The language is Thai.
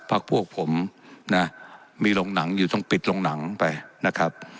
พวกผมนะมีโรงหนังอยู่ต้องปิดโรงหนังไปนะครับ